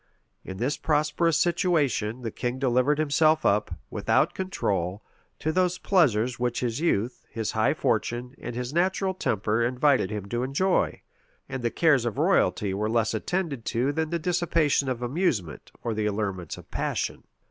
In this prosperous situation, the king delivered himself up, without control, to those pleasures which his youth, his high fortune, and his natural temper invited him to enjoy; and the cares of royalty were less attended to than the dissipation of amusement, or the allurements of passion.